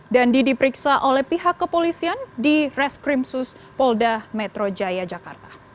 dandi diperiksa oleh pihak kepolisian di reskrimsus polda metro jaya jakarta